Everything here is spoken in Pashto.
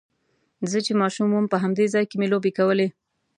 زه چې ماشوم وم په همدې ځای کې مې لوبې کولې.